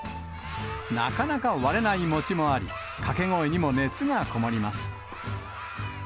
なかなか割れない餅もあり、掛け声にも熱が込もります。